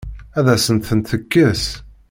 Ad asen-tent-tekkes?